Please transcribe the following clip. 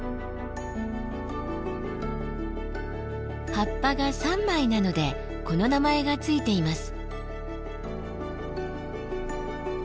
葉っぱが３枚なのでこの名前が付いています。